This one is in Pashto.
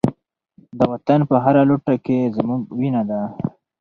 د وطن په هره لوټه کې زموږ وینه ده.